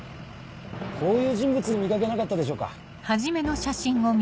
こういう人物見掛けなかったでしょうか？